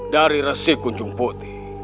dari resikunjung putih